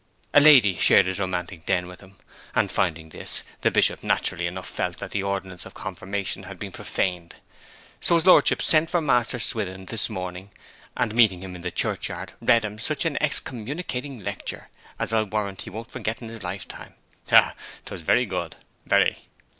A lady shared his romantic cabin with him; and finding this, the Bishop naturally enough felt that the ordinance of confirmation had been profaned. So his lordship sent for Master Swithin this morning, and meeting him in the churchyard read him such an excommunicating lecture as I warrant he won't forget in his lifetime. Ha ha ha! 'Twas very good, very.'